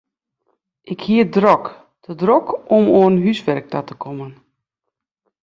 Ik hie it drok, te drok om oan húswurk ta te kommen.